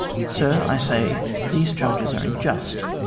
Sir, I say that these charges are unjust.